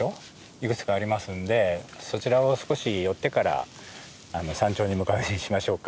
いくつかありますんでそちらを少し寄ってから山頂に向かうようにしましょうか。